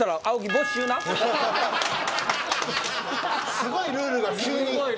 すごいルールが急に。